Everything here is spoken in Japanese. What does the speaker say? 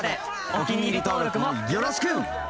お気に入り登録もよろしく！